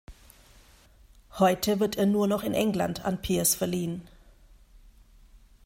Heute wird er nur noch in England an Peers verliehen.